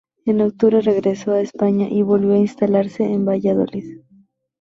En octubre regresó a España y volvió a instalarse en Valladolid.